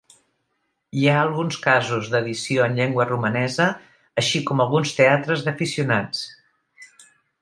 Hi ha alguns casos d'edició en llengua romanesa, així com alguns teatres d'aficionats.